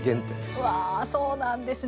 うわそうなんですね。